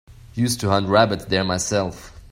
Used to hunt rabbits there myself.